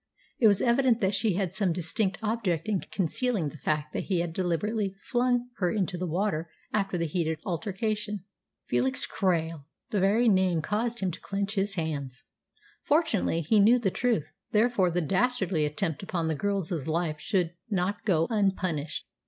It was evident that she had some distinct object in concealing the fact that he had deliberately flung her into the water after that heated altercation. Felix Krail! The very name caused him to clench his hands. Fortunately, he knew the truth, therefore that dastardly attempt upon the girl's life should not go unpunished.